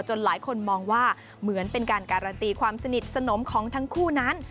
หลายคนมองว่าเหมือนเป็นการการันตีความสนิทสนมของทั้งคู่นั้น